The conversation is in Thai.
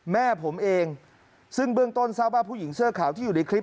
แม่ผมเองซึ่งเบื้องต้นทราบว่าผู้หญิงเสื้อขาวที่อยู่ในคลิป